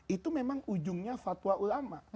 itu memang ujungnya fatwa ulama